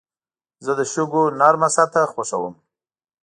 زه د شګو نرمه سطحه خوښوم.